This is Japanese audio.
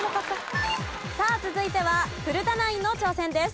さあ続いては古田ナインの挑戦です。